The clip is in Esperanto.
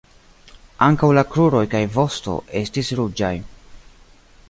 Ankaŭ la kruroj kaj vosto estis ruĝaj.